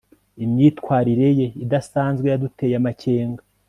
imyitwarire ye idasanzwe yaduteye amakenga